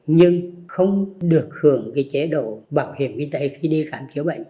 nhưng không được hưởng cái chế độ bảo hiểm y tế khi đi khám chữa bệnh